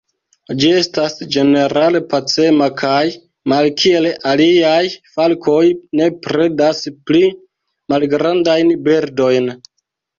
Ĝi estas ĝenerale pacema kaj malkiel aliaj falkoj ne predas pli malgrandajn birdojn.